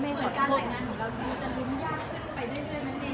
ไม่ว่าการทำงานของเราบิวจะหลุ้นอย่างไนไปด้วยด้วยมั้งเนี้ย